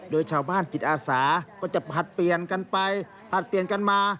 โดยชาวบ้านจิตอาสาก็จะผลัดเปลี่ยนกันไปผลัดเปลี่ยนกันมา